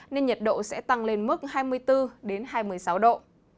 nên nhiệt độ sẽ tăng lên mức hai mươi bốn hai mươi sáu độ